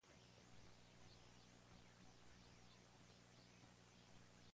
La seguridad en la bicicleta implica diversos aspectos.